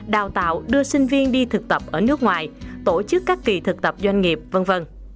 đào tạo đưa sinh viên đi thực tập ở nước ngoài tổ chức các kỳ thực tập doanh nghiệp v v